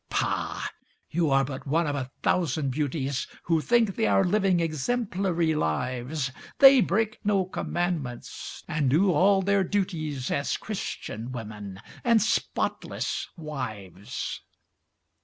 Pah! you are but one of a thousand beauties Who think they are living exemplary lives: They break no commandments, and do all their duties As Christian women and spotless wives.